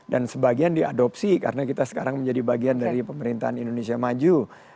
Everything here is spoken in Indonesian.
sebagian diadopsi karena kita sekarang menjadi bagian dari pemerintahan indonesia maju